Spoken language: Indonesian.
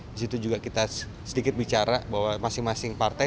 di situ juga kita sedikit bicara bahwa masing masing partai